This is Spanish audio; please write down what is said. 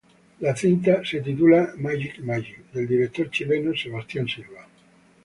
La cinta se titula "Magic, Magic" del director chileno Sebastián Silva.